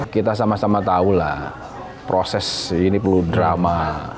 kita sama sama tahu lah proses ini perlu drama